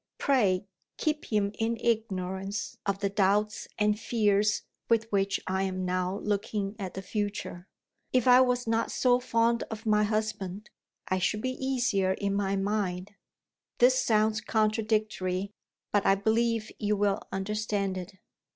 Pray keep him in ignorance of the doubts and fears with which I am now looking at the future. If I was not so fond of my husband, I should be easier in my mind. This sounds contradictory, but I believe you will understand it.